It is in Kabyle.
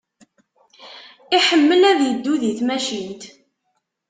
Iḥemmel ad iddu di tmacint.